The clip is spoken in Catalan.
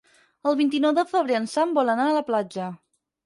El vint-i-nou de febrer en Sam vol anar a la platja.